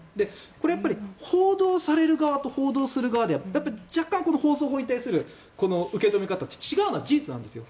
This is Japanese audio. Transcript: これはやっぱり報道される側と報道する側ではやっぱり若干放送法に対する受け止め方が違うのは事実なんですよ。